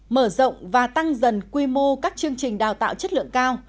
mở rộng và tăng dần quy mô các chương trình đào tạo chất lượng cao